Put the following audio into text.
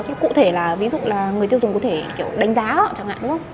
chứ cụ thể là ví dụ là người tiêu dùng có thể kiểu đánh giá họ chẳng hạn